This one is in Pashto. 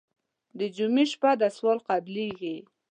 د جمعې شپه ده سوال قبلېږي.